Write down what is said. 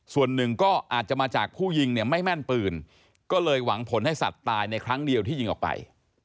ส่วนหนึ่งก็อาจจะมาจากผู้ยิงเนี่ยไม่แม่นปืนก็เลยหวังผลให้สัตว์ตายในครั้งเดียวที่ยิงออกไป